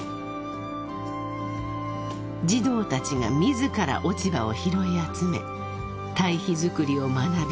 ［児童たちが自ら落ち葉を拾い集め堆肥作りを学び